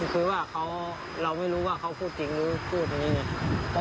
คือว่าเราไม่รู้ว่าเขาพูดจริงหรือพูดอย่างนี้ไง